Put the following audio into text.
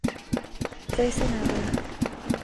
Fue Senador.